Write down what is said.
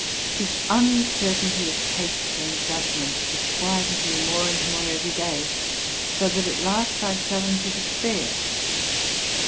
This uncertainty of taste and judgment disquieted me more and more every day, so that at last I fell into despair.